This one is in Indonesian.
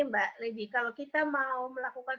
mbak lady kalau kita mau melakukan